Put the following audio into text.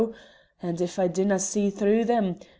As if I dinna see through them!